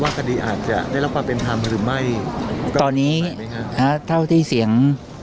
คดีอาจจะได้รับความเป็นธรรมหรือไม่ตอนนี้เท่าที่เสียง